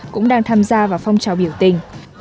cũng đang tham gia vào phong trào biểu tình